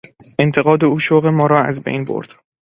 انتقاد او شوق ما را از بین برد.